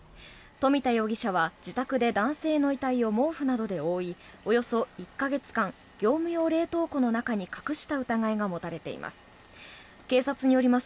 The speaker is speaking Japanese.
富田容疑者は自宅で男性の遺体を毛布などで覆いおよそ１か月間業務用冷凍庫の中に隠した疑いが持たれています。